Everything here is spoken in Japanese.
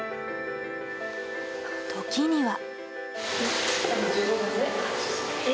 時には。